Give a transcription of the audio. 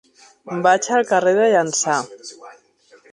Vaig al carrer de Llança.